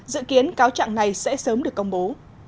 dự kiến cáo trạng này sẽ sớm được công bố